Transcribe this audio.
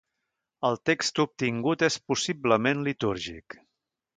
El text obtingut és possiblement litúrgic.